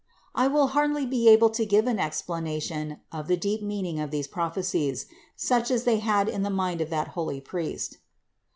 I will hardly be able to give an explanation of the deep meaning of these prophecies, such as they had in the mind of that holy priest.